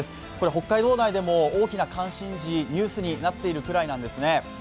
北海道内でも大きな関心事、ニュースになっているくらいなんです。